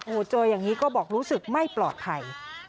โอ้โหเจออย่างนี้ก็บอกรู้สึกไม่ปลอดภัย